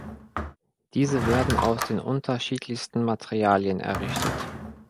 Diese werden aus den unterschiedlichsten Materialien errichtet.